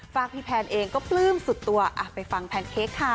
ฝากพี่แพนเองก็ปลื้มสุดตัวไปฟังแพนเค้กค่ะ